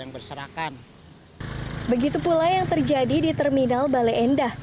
berserakan begitu pula yang terjadi di terminal bale endah